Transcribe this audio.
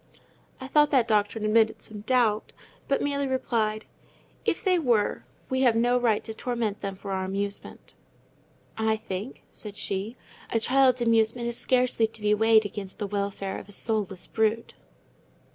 I thought that doctrine admitted some doubt, but merely replied—"If they were, we have no right to torment them for our amusement." "I think," said she, "a child's amusement is scarcely to be weighed against the welfare of a soulless brute."